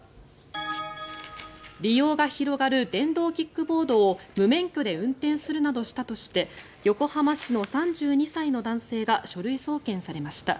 利用が広がる電動キックボードを無免許で運転するなどしたとして横浜市の３２歳の男性が書類送検されました。